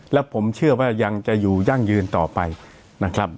และผมเชื่อว่ายังจะอยู่ยั่งยืนต่อไปนะครับ